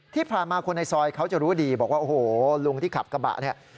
ที่ผ่านมาคนในซอยเขาจะรู้ดีบอกว่าโอ้โหลุงที่ขับกระบะเนี่ย